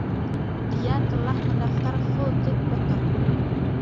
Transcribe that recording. Dia telah mendaftar Full Tilt Poker.